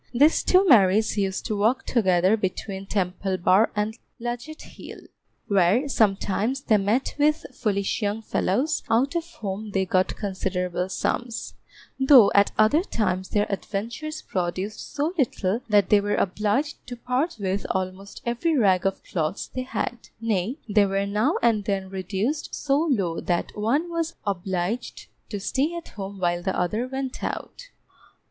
These two Marys used to walk together between Temple Bar and Ludgate Hill, where sometimes they met with foolish young fellows out of whom they got considerable sums, though at other times their adventures produced so little that they were obliged to part with almost every rag of clothes they had; nay, they were now and then reduced so low that one was obliged to stay at home while the other went out.